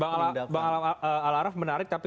penindakan bang alaraf menarik tapi